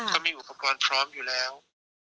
เขามีอุปกรณ์พร้อมอยู่แล้ว